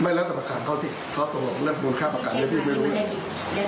ไม่แล้วแต่ประการเขาติดเขาตกลงแล้วคุณค่าประการนี้พี่ไม่รู้